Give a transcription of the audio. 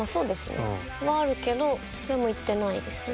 はあるけどそれも行ってないですね